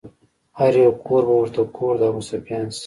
هر يو کور به ورته کور د ابوسفيان شي